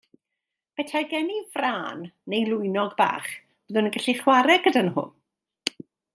Petai gen i frân neu lwynog bach byddwn i'n gallu chwarae gyda nhw.